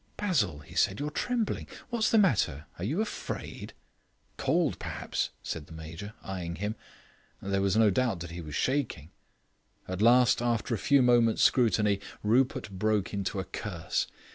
"Basil," he cried, "you're trembling. What's the matter are you afraid?" "Cold, perhaps," said the Major, eyeing him. There was no doubt that he was shaking. At last, after a few moments' scrutiny, Rupert broke into a curse.